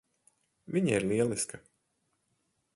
Viņa ir lieliska.